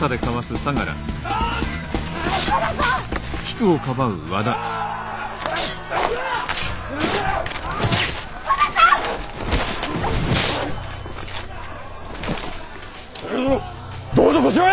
相楽殿どうぞこちらへ！